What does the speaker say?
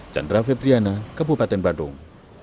chandra vepriana kabupaten badung